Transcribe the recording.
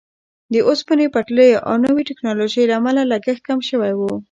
د اوسپنې پټلیو او نویو ټیکنالوژیو له امله لګښت کم شوی وو.